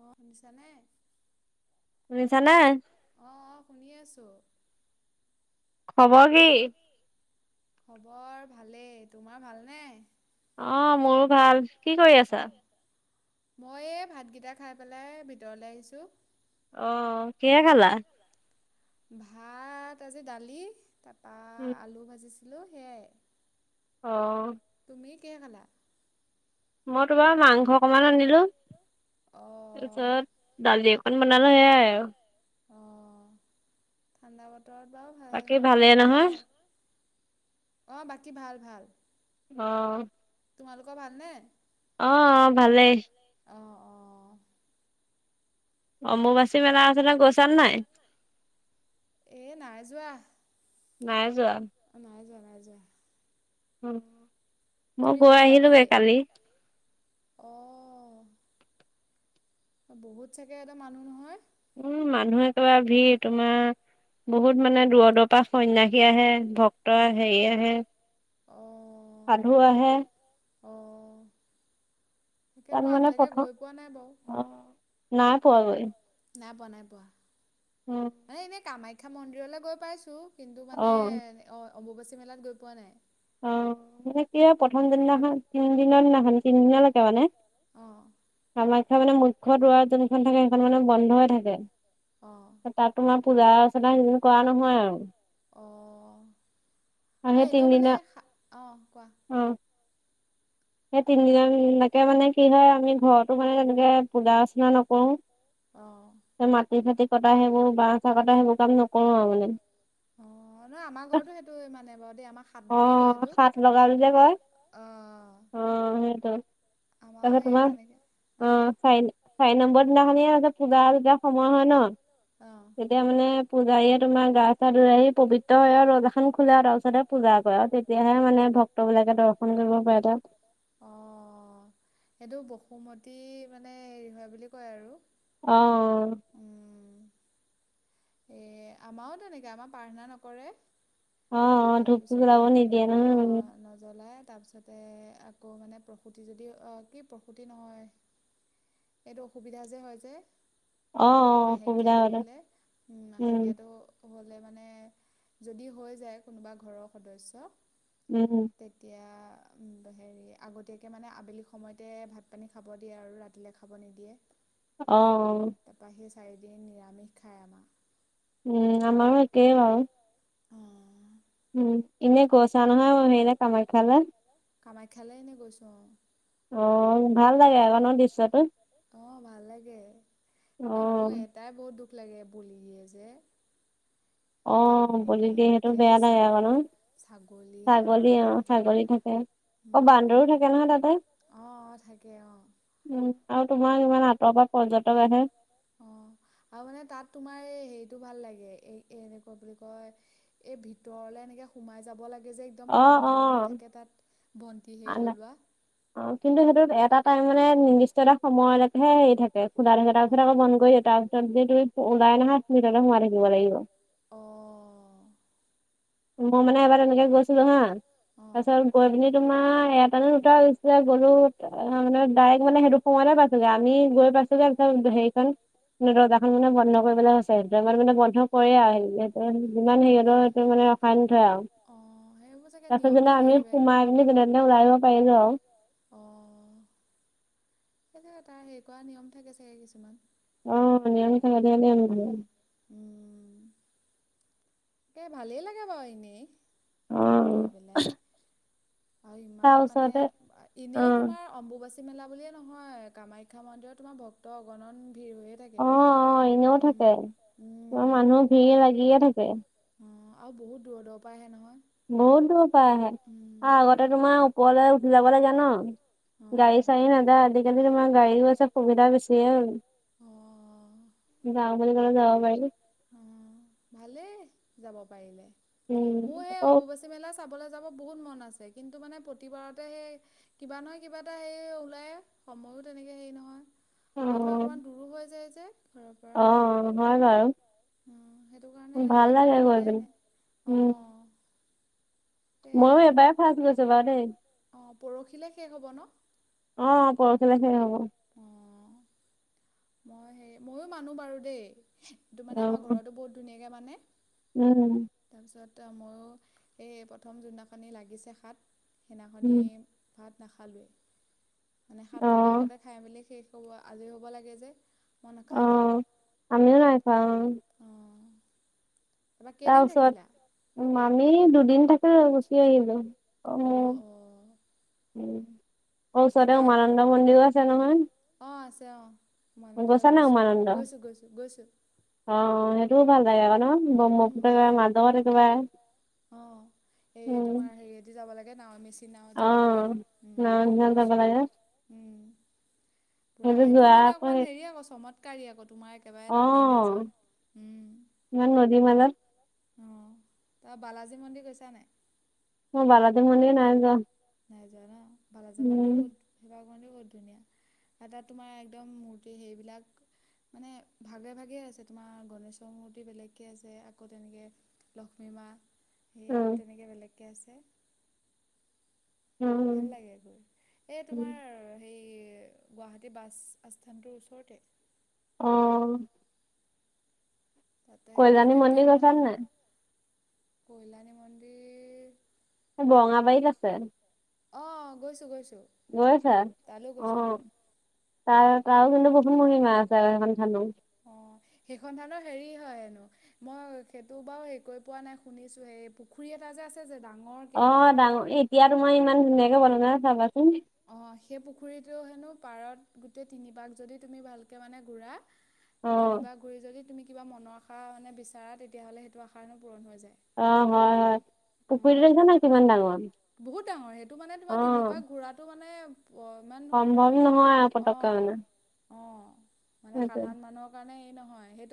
অ শুনিছানে শুনিছানে খবৰ কি খবৰ ভালেই। তোমাৰ ভালনেে? অ মোৰো ভাল কি কৰি আছা? মই এই ভাতকেইটা খাই পেলাই ভিতৰলে আহিছো। অ কিহেৰে খালা? ভাত আজি দালি তাৰপা আলু ভাজিছিলো সেয়াই। অ। তুমি কিহে খালা? মই তোমাৰ মাংস অকমান আনিলো তাৰপিছত দালি অক দালি অকণ বনালো সেইআই আৰু - - অ ঠাণ্ডা বতৰত বাৰু ভাল মাংসই ভাল। অ বাকী ভাল ভাল। আহ। তোমালোকৰ ভালনেে? অ ভালেই। অমুবাচী মান আছে ন গছ এ নাই যোৱা নাই যোৱা [unintelligible] মই গৈ আহিলোগে কালি অ বহুত চাগে এটা মানুহ নহয় উম মানুহে কা ভি তোমাৰ বহুত মানে দূৰদশী পা সন্য়াসী আহে ভক্ত হেৰি আহে অ। সাধু আহে। অ তাকে মই আজিলৈকে গৈ পোৱা নাই বাৰু। নাই পোৱা গৈ। নাই পোৱা নাই পোৱা মানে এনেই কামাখ্যা মন্দিৰলৈ গৈ পাইছোঁ। কিন্তু মানে অ অম্বুবাচী মেলাত গৈ পোৱা নাই। অ মানে ক প্ৰথম দিনাখন তিনদিনৰ দিনাখন তিনদিনলৈকে মানে। আহ। কামাখ্যা মানে মুখ্য দুৱাৰ যোনখন থাকে সেইখন মানে বন্ধই থাকে তাত তোমাৰ পূজা অৰ্চনা সিদিনা কৰা নহয় আৰু অ এ এনেও মানে অ কোৱা সেই তিনদিনকে মানে কি হয় আমি ঘৰতো মানে তেনেকে পূজা অৰ্চনা নকৰো মাটি ফাটি কটা সেইবোৰ বাহ চাহ কটা সেইবোৰ কাম নকৰো আৰু মানে অ নহয় আমাৰ ঘৰতো সেইটো মানে বাৰু দেই আমাৰ অ সাত লগাল যে কয় অ সেইটো তাতে তোমাৰ অ চ চ নম্বৰ দিনা পজাৰ দি সময় হয় ন তেতিয়া মানে পূজাৰ তোমাৰ গা চা ধৰা আহি পিত্ৰ ত আৰু ৰ'দ এখন খোলে আৰু তাৰ ওছতে আৰু তেতিয়াহে মানে ভক্ত বিলাকে দৰ্শন কৰিব পাৰে ত [unintelligible] বসুমতী মানে হেৰি হয় বুলি কয় আৰু আহ এ আমাৰও তেনেকে আমাৰ প্ৰাৰ্থনা নকৰে অ অ ধুপ ধুকা ন দিয় ন তাৰ পিছতে আকৌ মানে প্ৰসূতি যদি অ কি প্ৰসূতি নহয় এইটো অসুবিধা যে হয় যে অ অ সুবিধা হ'লে উ মাহেকীয়াটো হলে মানে যদি হৈ যায় কোনোবা ঘৰৰ সদস্য তেতিয়া হেৰি আগতীয়াকৈ মানে আবেলি সময়তে ভাত পানী খাব দিয়ে আৰু ৰাতিলৈ খাব নিদিয়ে অহ চাৰিদিয়ে নিৰামিষ খাই আমাৰ উম আমাৰো একেই আৰু [inaudible] উম ইনে গৌচানহ সেইনে ক মকাল কামাখ্যালৈ এনে গৈছো অ অ ভাল লাগে এগণনৰ দৃশ্যটো অ ভাল লাগে এ মোৰ এটাই বহুত দুখ ভ লাগে বল দিয়ে যে অ ব দ সেইটো বেয়া লাগেকণো ছাগলী আহ ছাগলী থাকে অ বান্দৰো থাকে নহয় তাতে উম আৰু তোমাৰ ইমান অ', আৰু মানে তাত তোমাৰ এই হে টো ভাল লাগে এ-এ এনেকুৱা বুলি কয়, এই ভিতৰলে এনেকে সোমাই যাব লাগে এ যে একদম আন্ধাৰ হৈ থাকে তাত, বন্তি হেই জ্বলোৱা। তাই মানে নিৰ্দিষ্ট এটা সময়লৈকেহে হেৰি থাকে খোলা থাকে, তাৰপিছত আকৌ বন্ধ কৰি তা যদি তুমি ওলায় নাহা, তুমি [unintelligible] সোমাই থাকিব কিব লাগিব। অ'। মই মানে এবাৰ তেনেকে গৈছিলো হা। তাৰপিছত গৈ পিনি তোমাৰ এয়া [unintelligible] গ'লো আ মানে ডাইৰেক্ট মানে সেইটো সোমোৱাটোৱে পাইছোগে। আমি গৈ পাইছোগে [unintelligible] হেৰিখন ৰ এখন মানে বন্ধ কৰিবলৈ স মানে বন্ধ কৰে আৰু হ যিমান হেৰি সেইটো মানে [inaudible] তাৰপছত যেনা আমি সোমাই পিনি যেনে তেনে ওলাই আহিব পাৰিলো আৰু সেই তাৰ হেৰি কৰা নিয়ম থাকে চাগে কিছুমান অ নিৰামিষ খালে তাকে ভালেই লাগে বাৰু এনেই তাত গৈ পেলাই অ ইমান মানে এনেও তোমাৰ অম্বুবাচী মেলা বুলিয়ে নহয় কামাখ্যা মন্দিৰত তোমাৰ ভক্ত অগণন অ', অ', এনেও থাকে। মানুহ ভিৰ লাগিয়ে থাকে। আ আৰু বহুত দূৰ-দূৰ পৰা আহে নহয়। বহুত দূৰ পায় আহে। তাআগতে তোমাৰ ওপৰলৈ উঠি যাব লাগে ন। গাড়ী-চাই নাযায়। আজিকালি তোমাৰ গাড়ী [unintelligible] সুবিধা বেছিয়ে হ'ল। গাঁও [unintelligible] উম, ভালেই যাব পাৰিলে। মোৰ সেই অম্বুবাচী মেলা চাবলৈ যাব বহুত মন আছে। কিন্তু মানে প্ৰতিবাৰতে সেই কিবা নহয় কিবা এটা হেই ওলাই সময় আৰু তেনেকে হেৰি নহয় আৰু তোমাৰ অকমান দূৰো হৈ যায় যে অ', হয় বাৰু। উম, সেইটো কাৰণে এবাৰো মিলাই নাই। অ'। ময়ো এইবায়ে ফাৰ্চ গৈছো বাৰু দেই। পৰখিলে শেষ হ'ব ন? অ', পৰখিলে শেষ হ'ব। মই সেই, ময়ো মানো বাৰু দেই। এইটো মানে আমাৰ ঘৰতো বহুত ধুনীয়াকে মানে। উম। তাৰপিছত ময়ো এই প্ৰথম জোনদিনাখনি লাগিছে সাত সেইদিনাখনি ভাত নাখালোৱেই। মানে সাত লগাৰ আগতেই খাই মেলি শেষ [unintelligible] আজৰি হ'ব লাগে যে। অ', আমিও নাই খোৱা। অ'। উম। তাৰপিছত উম, আমি দুদিন থাকিলো, গুচি আহিলো। অ', উম। আকৌ ওচৰতে উমানন্দ মন্দিৰো আছে নহয়। তে অ', মন্দলৈ গৈছো-গৈছো-গৈছো-গৈছো। [unintelligible] আকৌ ন। [unintelligible] মাজত থাকিবা। উম। নাওঁত যাব লাগে। উম। গৈছোঁ। উম। পুৰা, হেইটো মানে অকণমান হেৰি আকৌ চমত টকাৰি আকৌ তোমাৰ একেবাৰে নদ মাজত। উম। হিমালয় অ', তা বালাজী মন্দিৰ গৈছা নে নাই? বালাদেৱ মন্দিৰ নাই যোৱা। নাই যোৱা ন? বাৰ হাজাৰ মান দিও বহুত [unintelligible] মন্দিৰ বহুত ধুনীয়া। আৰু তাত তোমাৰ একদম মূৰ্তি সেইবিলাক মানে ভাগে-ভাগে আছে। তোমাৰ গনেশৰ মূৰ্তি বেলেগকে আছে আকৌ তেনেকে লক্ষ্মী মা সেই তেনেকৈ বেলেগকৈ আছে ভাল লাগে গৈ এ তোমাৰ হেৰি এই গুৱাহাটী বাছ আস্থানটোৰ ওচৰতে আহ কল্যানী মন্দিৰ গৈছা নাই কল্যাণী মন্দিৰ বঙাবাৰীত আছে অ গৈছো গৈছো গৈ আছা? অ'। তাৰ, তাৰোকিন্তু বহুত মহিমা আছে আৰু হেখন থানো। সেইখন থানৰ হেৰি হয় হেনো, মই সেইটো বাৰু হেৰি পোৱা নাই শুনিছো হে পুখুৰী এটা যে আছে যে অ', ডাঙ, এতিয়া তোমাৰ ইমান ধুনীয়াকে বনালে চাবাচোন! অ', সেই পুখুৰীটো হেনো পাৰত গোটেই তিনিবাক যদি তুমি ভালকে মানে ঘুৰা তিনিবাৰ ঘুৰি যদি তুমি কিবা মনৰ আশা মানে বিচাৰা তেতিয়াহলে সেইটো আশা হেনো পূৰণ হৈ যায়। অ', হয়, হয়। পুখুৰীতো দেখিছ নাই কিমান ডাঙৰ আহ মানে সম্ভৱ নহয় আৰু পতকে মানে মানে সাধাৰণ মানুহৰ কাৰণে এই নহয় সেইটো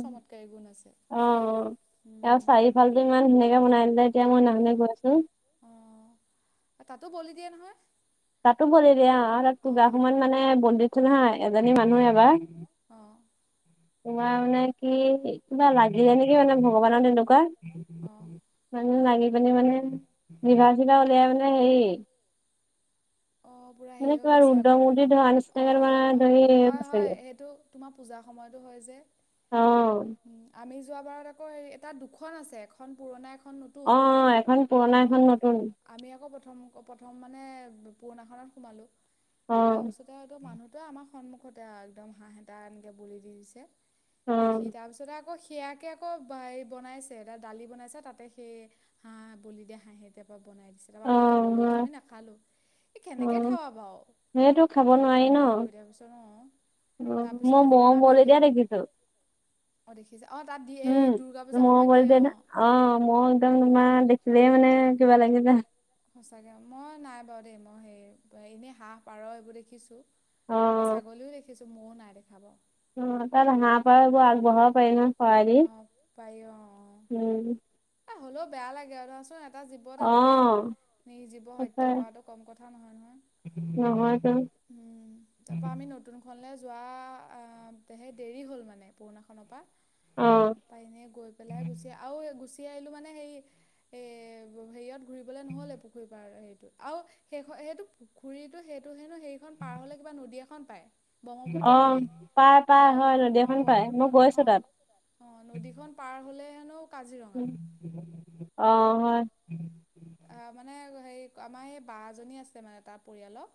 অ তেওঁ চাৰিওফালতটো ইমান ধুনীয়াকে বনাই দিলে তেতিয়া মই নানাই গৈছো তাতো বলি দিয়ে নহয় তাতো বি দিয়া অ তাত পূজা সময়ত মানে বন্দিতছে নহয় এজনী মানুহে এবাৰ অ তোমাৰ মানে কি কিবা লাগিলে নেকি মানে ভগৱানৰ তেনেকুৱা মানে লাগি পি মানে নিভা চিভা উলিয়াই মানে হেৰি মনেে কিবা ৰুদ্ৰমদ আলচ মানে ধৰিছেগে তোমাৰ পূজাৰ সময়তো হয় যে আমি যোৱ বাৰত আকৌ এটা দুখন আছে এখন পুৰণা এখন অ এখন পুৰণা এখন নতুন আকৌ প্ৰথম মানে পুৰণাখনত সোমালোঁ তাৰপিছতে হয়তো মানুহটোৱে আমাৰ সন্মুখতে একদম হাঁহেটা এনেকৈ বল দি দিছে দেখি তাৰপিছতে আকৌ সেয়াকে আকৌ বনাইছে এটা দালি বনাইছে তাতে সেই হাঁহ বলি দিয়ে হাঁহেতিাৰপ বনাই দিছে তাৰপৰা আমাক খাবলৈ গৈছে আমি নাখালো কেনেকে খাবা বাৰু তেনেকে হে কৰি দিয়া পিছ ন অ মোৰ ম মৰ এতিয়া দেখিছো অ উম [unintelligible] মোৰো একদম তোমাৰ দেখিলে মানে কিবা লাগিলে সঁচাকে মই নাই বাৰু দেই মই সেই এনেই হাঁহ পাৰ এইবোৰ দেখিছো ছাগলীও দেখিছো মৌও নাই দেখাব অ তাত হাঁহ প বোৰ আগবঢ়াব পাৰি ন হয়াৰ উম হ'লেও বেয়া লাগে ধৰাচোন এটা জীৱ এনেকে নি জীৱ হত্যা কৰাটো কম কথা নহয় নহয় উম তাৰ পৰা আমি নতুনখন যোৱাহে দেৰি হ'ল মানে পুৰণাখনৰ পৰা পাইনে গৈ পেলাই গুচি আৰু গুচ প আিলো মানে সেই এ হেৰিয়ত ঘূৰিবলে নহলে পুখুৰীৰ পাৰ হ আৰু সেই সেইটো খুৰীটো সেইটো হেনো সেইখন পাৰ হলে কিবা নদী এখন পায় অ' পাওঁ পাওঁ হয় নদী এখন পাই, মই গৈ আছো তাত। অ' নদীখন পাৰ হ'লে আহ হয়। অ' মানে হেৰি আমাৰ এই বা জনী আছে মানে তাৰ পৰিয়ালৰ।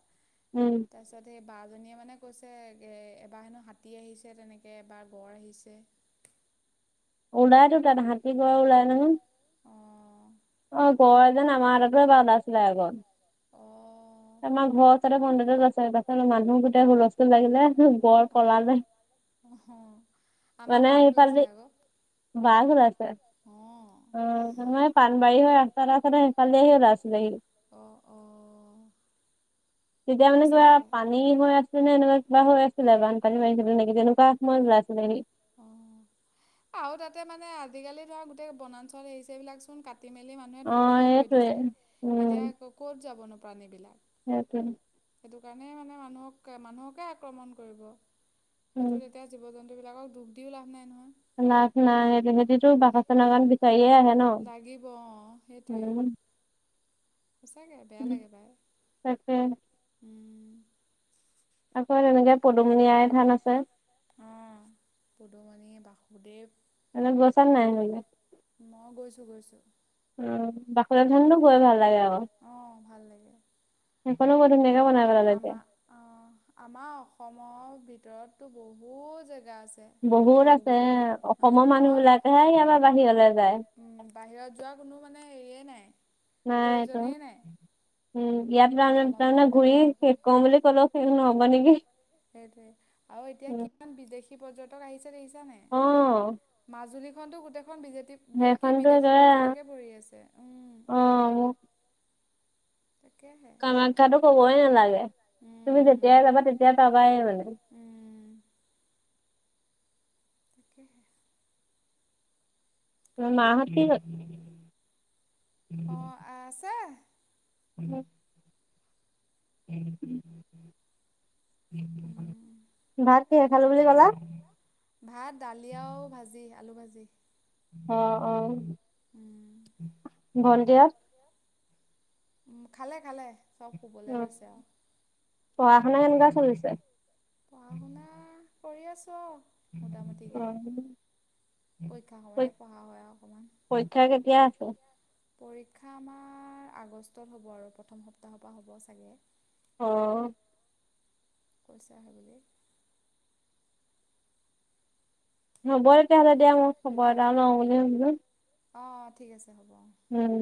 তাৰপাছত সে বা জনীয়ে মানে কৈছে এবাৰ হেনো হাতী আহিছে, তেনেকৈ এবাৰ গঁড় আহিছে ওলাইতো তাত হাতীৰ গড় ওলাই নহয়। অ গ যেন আমাৰতে ভাল আছিলে আগত তোমাৰ ঘৰ তাৰ মন্দিৰত গছ প মানুহ গোটেই হুলস্থুল লাগিলে বৰ পলা যায় মানে এই পালি ভাগ লছে অ মাৰ এই পাণবাৰী হৈ ৰাস্তা ৰাস সিফালে আহি ওলাই আছিলে আহি অ অ তেতিয়া মানে কিবা পানী হৈ আছে যেনে এনেকুৱ কিবা হৈ আছিলে বানপানীও আহিছে বোলে নেকি তেনেকুৱা সময় যোৱা আছিলেহি অ' আৰু তাতে মানে আজিকালি ধৰা গোটেই বনাঞ্চল হৰি চেৰি এইবিলাক চোন কা কাটি মেলি মানুহে ধ্ববংসই কৰি দিছে, এতিয়া ক'ত যাবনো প্ৰাণী বিলাক। সেইটো। সেইটো কাৰণেই মানে মানুহক মানুহকে আক্ৰমণ কৰিব। সেইটো তেতিয়া জীৱ জন্তুবিলাকক দোষ দিও লাভ নাই নহয়। না ন সহেঁতিতো ব চ ন গান [unintelligible] চে হে ন উম [unintelligible] সঁচাকে বেয়া লাগে পাই, উম আকৌ এনেকে পদুমণি আই থান আছে অ', পদুমণি, বাসুদেৱ এনেই গৈছা নাই হেৰিলে? গৈছোঁ। উম বাসুদেৱ থানলৈ গৈ ভাল লাগে আৰু, সখনো আমাৰ অ আমাৰ অসমৰ ভিতৰতটো বহুত জেগা বহুত আছে অসমৰ মানুহ বিলাকেহে বাহিৰলে যায়। উম বাহিৰত যোৱা কোনো মানে হেৰিয়ে নাই। নাইটো, উম প পনা ঘূৰি শেষ কৰৈ বুলি ক'লেওঁ শেষ নহব নেকি। সেইটোৱে, আৰু এতিয়া কিমান বিদেশী পৰ্যটক আহিছে দেখিছা নে নাই। মাজুলী খনটো গোটেই খন খন বিজেতি কি বিদেশী পৰ্যটকে ভৰি আছে। উম কামাখ্যাটো কবৈ নালাগে, তুমি যেতিয়াই যাবা তেতিয়াই পাবাই মানে। তাকেহে [unintelligible] তোমাৰ মাহ'ত কি ক উম [unintelligible] উম [unintelligible] ভাত কিহৰে খালো বুলি ক'লা? ভাত দালি আৰু ভাজি, আলু ভাজি। অ' অ' ভণ্টহ'ত খালে খালে, চব শুবলৈ লৈছে আৰু। পঢ়া শুনা কেনেকুৱা চলিছে? পঢ়া শুনা কৰি আছো আৰু। উ [unintelligible] উম পৰী পৰীক্ষা কেতিয়া আছে। পৰীক্ষা আমাৰৰ আগষ্টত হ'ব আৰু প্ৰথম সপ্তাহৰ পৰা হ'ব চাগে। অহ। কৈছেও সেই বুলি। হব তেতিয়াহলে দিয়া মই খবৰ এটা লও বুলি ভাৱিলোঁ। অহ ঠিক আছে হ'ব। উম।